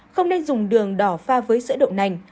không nên dùng đường đỏ pha với sữa đậu nành